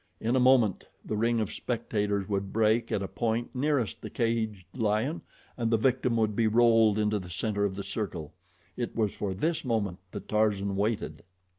In a moment the ring of spectators would break at a point nearest the caged lion and the victim would be rolled into the center of the circle. It was for this moment that Tarzan waited.